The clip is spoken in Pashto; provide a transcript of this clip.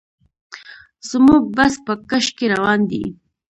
زموږ بس په کش کې روان دی.